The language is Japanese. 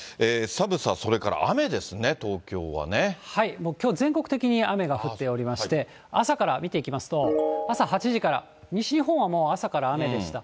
寒さ、それから雨ですね、きょう、全国的に雨が降っておりまして、朝から見ていきますと、朝８時から、西日本はもう朝から雨でした。